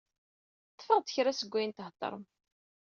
Ṭṭfeɣ-d kra seg ayen theddrem.